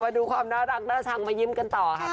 มาดูความน่ารักน่าชังมายิ้มกันต่อค่ะ